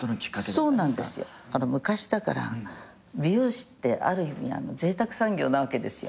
昔だから美容師ってある意味ぜいたく産業なわけですよ。